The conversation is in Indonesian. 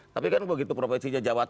tapi kan begitu provinsinya jawabannya